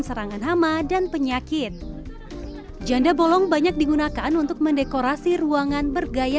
serangan hama dan penyakit janda bolong banyak digunakan untuk mendekorasi ruangan bergaya